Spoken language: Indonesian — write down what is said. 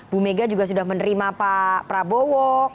bu mega juga sudah menerima pak prabowo